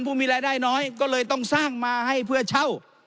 ผู้มีรายได้น้อยก็เลยต้องสร้างมาให้เพื่อเช่า